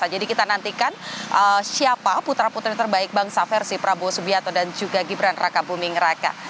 jadi kita nantikan siapa putra putri terbaik bangsa versi prabowo subianto dan juga gibran raka buming raka